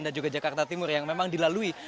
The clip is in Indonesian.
dan juga jakarta timur yang memang dilalui